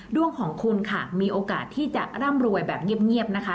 ดวงของคุณค่ะมีโอกาสที่จะร่ำรวยแบบเงียบนะคะ